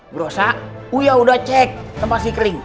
brosa saya sudah cek tempat si kling